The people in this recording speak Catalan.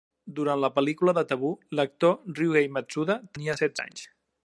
Durant la pel·lícula de "Tabú", l'actor Ryuhei Matsuda tenia setze anys.